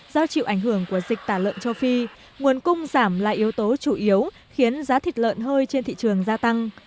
do chịu ảnh hưởng của dịch tả lợn châu phi nguồn cung giảm là yếu tố chủ yếu khiến giá thịt lợn hơi trên thị trường gia tăng